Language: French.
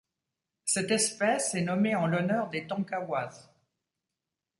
Cette espèce est nommée en l'honneur des Tonkawas.